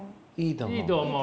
いいと思う。